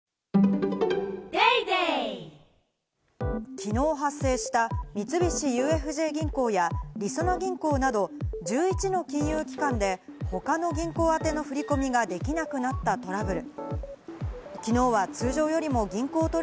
きのう発生した、三菱ＵＦＪ銀行や、りそな銀行など、１１の金融機関で他の銀行宛ての振り込みができなくなったトラブル。